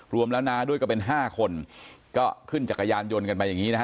รวมแล้วน้าด้วยก็เป็นห้าคนก็ขึ้นจักรยานยนต์กันมาอย่างนี้นะฮะ